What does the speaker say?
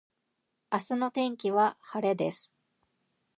明日の天気は晴れです